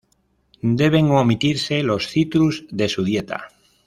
Deben omitirse los citrus de su dieta.